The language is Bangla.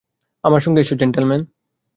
আমার সঙ্গে এসো, জেন্টলমেন।